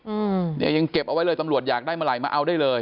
อืมเนี่ยยังเก็บเอาไว้เลยตำรวจอยากได้เมื่อไหร่มาเอาได้เลย